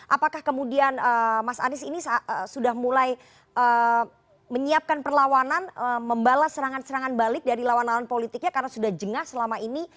apakah kemudian mas anies ini sudah mulai menyiapkan perlawanan membalas serangan serangan balik dari lawan lawan politiknya karena sudah jengah selama ini